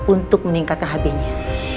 untuk meningkatkan hb nya